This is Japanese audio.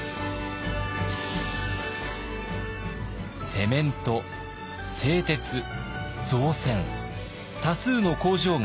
セメント製鉄造船多数の工場が稼働を開始。